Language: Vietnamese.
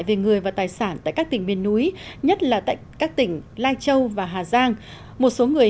về người và tài sản tại các tỉnh miền núi nhất là tại các tỉnh lai châu và hà giang một số người